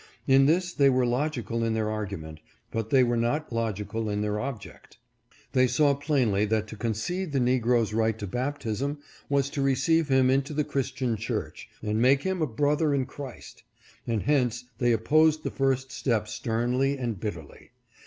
In this they were logical in their argument, but they were not logical in their object. They saw plainly that to concede the negro's right to baptism was to receive him into the Christian Church, and make him a brother in Christ ; and hence they opposed the first step sternly and bitterly.